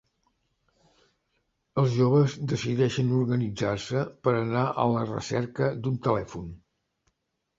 Els joves decideixen organitzar-se per anar a la recerca d'un telèfon.